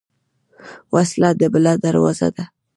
وسله د بلا دروازه ده